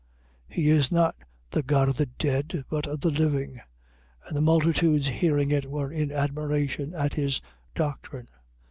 He is not the God of the dead but of the living. 22:33. And the multitudes hearing it were in admiration at his doctrine.